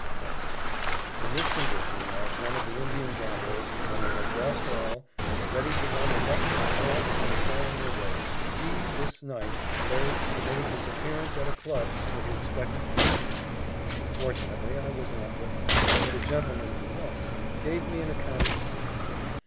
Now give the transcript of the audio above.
None. In this condition, like one of the Indian gamblers, when they have lost all, and are ready to run amuck on all who may fall in their way, he this night, late, made his appearance at a club where he expected to find me. Fortunately, I was not there; but a gentleman who was, gave me an account of the scene.